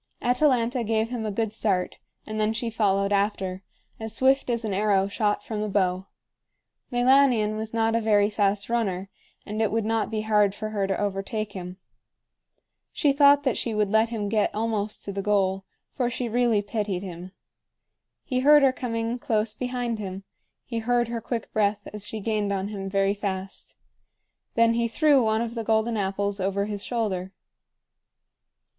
Atalanta gave him a good start, and then she followed after, as swift as an arrow shot from the bow. Meilanion was not a very fast runner, and it would not be hard for her to overtake him. She thought that she would let him get almost to the goal, for she really pitied him. He heard her coming close behind him; he heard her quick breath as she gained on him very fast. Then he threw one of the golden apples over his shoulder.